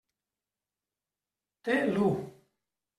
Té l'u!